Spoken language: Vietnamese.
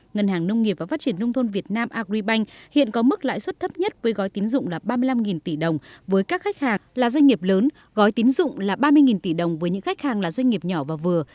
ngân hàng nông nghiệp và phát triển nông thôn việt nam agribank hiện có mức lãi suất thấp nhất với gói tín dụng là ba mươi năm tỷ đồng với các khách hàng là doanh nghiệp lớn gói tín dụng là ba mươi tỷ đồng với những khách hàng là doanh nghiệp nhỏ và vừa